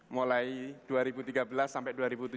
mulai dua ribu tiga belas sampai dua ribu tujuh belas